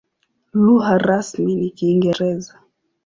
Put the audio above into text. Lugha rasmi ni Kiingereza.